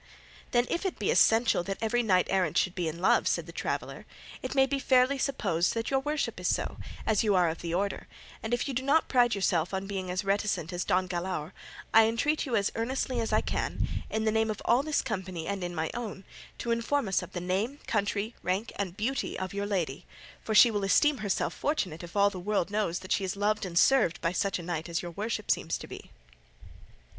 "Then if it be essential that every knight errant should be in love," said the traveller, "it may be fairly supposed that your worship is so, as you are of the order; and if you do not pride yourself on being as reticent as Don Galaor, I entreat you as earnestly as I can, in the name of all this company and in my own, to inform us of the name, country, rank, and beauty of your lady, for she will esteem herself fortunate if all the world knows that she is loved and served by such a knight as your worship seems to be."